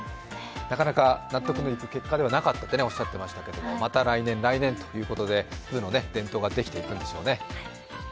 なかなか納得のいく結果ではなかったとおっしゃっていましたけどまた来年、来年ということで部の伝統ができていくんでしょうね。